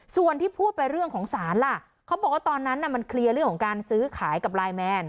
ส่วนที่พูดไปเรื่องของศาลล่ะเขาบอกว่าตอนนั้นมันเคลียร์เรื่องของการซื้อขายกับไลน์แมน